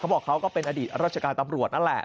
บอกเขาก็เป็นอดีตราชการตำรวจนั่นแหละ